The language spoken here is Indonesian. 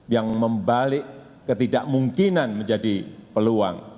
yang membalik ketidakmungkinan menjadi peluang